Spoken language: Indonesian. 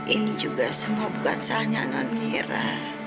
ini juga semua bukan salahnya non mira